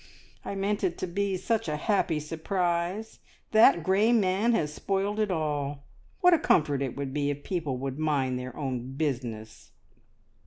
I meant it to be such a happy surprise, and that grey man has spoiled it all! What a comfort it would be if people would mind their own business!